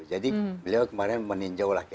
jadi beliau kemarin meninjau lagi